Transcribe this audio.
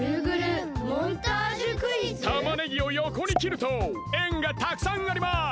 たまねぎをよこにきるとえんがたくさんあります！